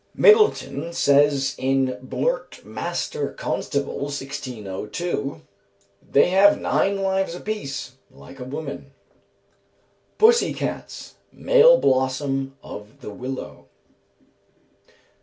Middleton says in "Blurt Master Constable," 1602: "They have nine lives apiece, like a woman." Pussy cats. Male blossom of the willow.